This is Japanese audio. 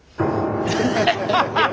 ハハハハハ！